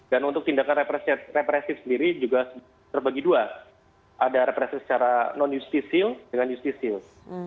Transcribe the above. dan untuk tindakan represif sendiri juga terbagi dua ada represif secara non justisil dengan justisil